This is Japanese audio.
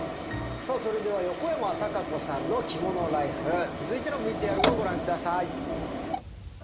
さあそれでは横山タカ子さんの着物ライフ続いてのＶＴＲをご覧下さい。